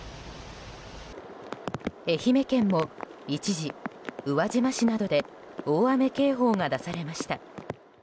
愛媛県も一時、宇和島市などで大雨警報が出されました。